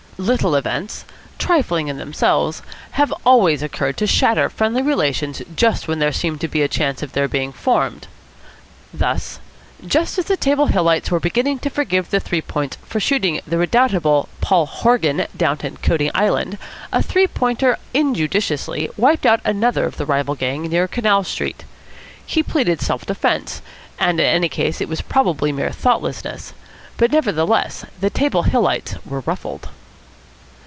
Little events, trifling in themselves, have always occurred to shatter friendly relations just when there has seemed a chance of their being formed. Thus, just as the Table Hillites were beginning to forgive the Three Points for shooting the redoubtable Paul Horgan down at Coney Island, a Three Pointer injudiciously wiped out another of the rival gang near Canal Street. He pleaded self defence, and in any case it was probably mere thoughtlessness, but nevertheless the Table Hillites were ruffled.